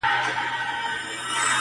تل زاړه کفن کښان له خدایه غواړي!!